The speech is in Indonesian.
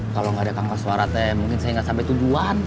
kalau gak ada kangkas suara teh mungkin saya gak sampai tujuan